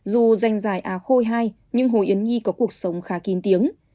dù danh dài a khôi hai nhưng hồ yến nhi có cuộc sống khá kín tiếng